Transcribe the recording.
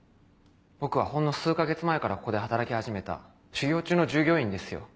僕はほんの数か月前からここで働き始めた修業中の従業員ですよ。